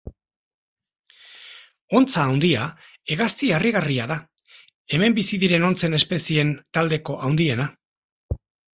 Hontza handia hegazti harrigarria da, hemen bizi diren hontzen espezieen taldeko handiena.